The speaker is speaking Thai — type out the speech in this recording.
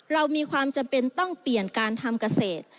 เรามีความจำเป็นต้องเปลี่ยนการทำเกษตร